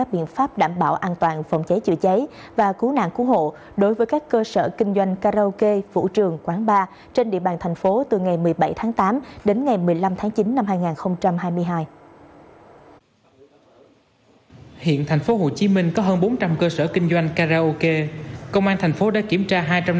hai nghìn hai mươi hai hiện thành phố hồ chí minh có hơn bốn trăm linh cơ sở kinh doanh karaoke công an thành phố đã kiểm tra